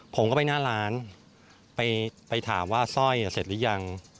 ผมก็ไปหน้าร้านไปถามว่าสร้อยเสร็จหรือยัง